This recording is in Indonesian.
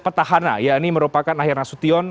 petahana yakni merupakan ahyar nasution